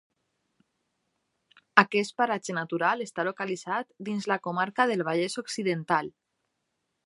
Aquest paratge natural està localitzat dins la comarca del Vallès Occidental.